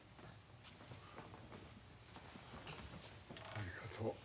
ありがとう。